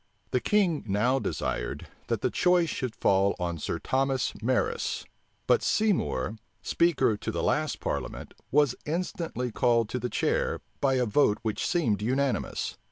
The king now desired, that the choice should fall on Sir Thomas Meres: but Seymour, speaker to the last parliament, was instantly called to the chair, by a vote which seemed unanimous.